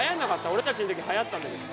俺たちの時はやったんだけど。